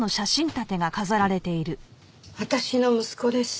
私の息子です。